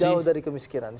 jauh dari kemiskinan